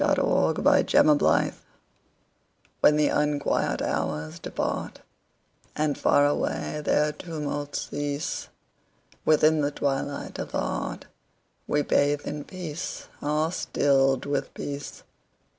The Hour of Twilight WHEN the unquiet hours departAnd far away their tumults cease, Within the twilight of the heartWe bathe in peace, are stilled with peace.